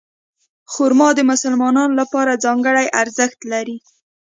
خرما د مسلمانانو لپاره ځانګړی ارزښت لري.